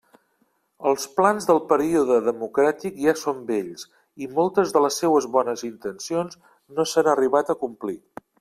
Els plans del període democràtic ja són vells i moltes de les seues bones intencions no s'han arribat a complir.